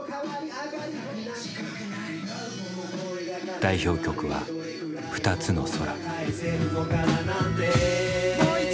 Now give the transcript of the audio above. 代表曲は「二つの空」。